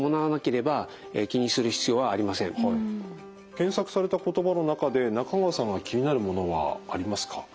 検索された言葉の中で中川さんが気になるものはありますか？